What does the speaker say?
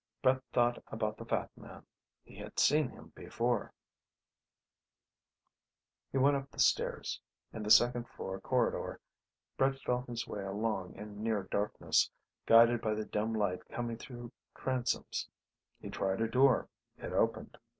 Brett thought about the fat man. He had seen him before ... He went up the stairs. In the second floor corridor Brett felt his way along in near darkness, guided by the dim light coming through transoms. He tried a door. It opened.